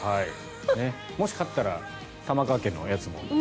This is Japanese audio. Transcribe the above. もし飼ったら玉川家のやつも。